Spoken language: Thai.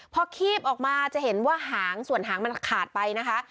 พอคีบออกมาจะเห็นว่าหางส่วนหางมันขาดไปนะคะ